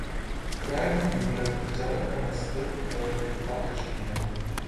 کَرئے computer تجارت کا Nasdaq پر اطلاق کر چکی ہے